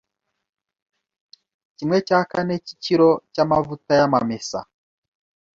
kimwe cya kane cy’ikiro cy’amavuta y’amamesa